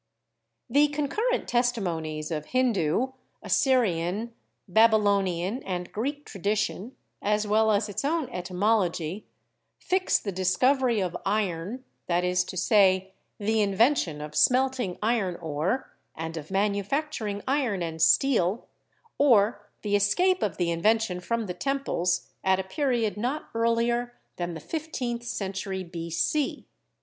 The concurrent testimonies of Hindu, Assyrian, Baby lonian and Greek tradition, as well as its own etymology, fix the discovery of iron — that is to say, the invention of smelting iron ore and of manufacturing iron and steel, or the escape of the invention from the temples — at a period not earlier than the fifteenth century b.c.